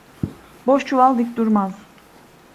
Boş çuval dik durmaz.